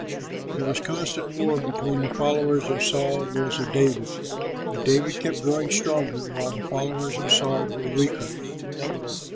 There was constant war between the followers of Saul and those of David. But David kept growing stronger while the followers of Saul grew weaker.